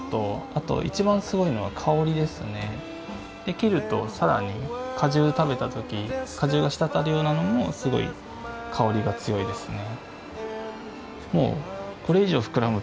切ると更に果汁食べた時果汁がしたたるようなのもすごい香りが強いですね。